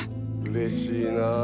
嬉しいなあ。